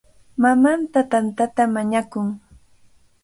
Mamanta tantata mañakun.